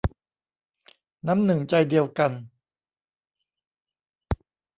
น้ำหนึ่งใจเดียวกัน